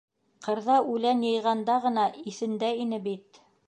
Ҡырҙа, үлән йыйғанда ғына иҫендә ине бит...